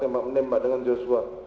menembak dengan joshua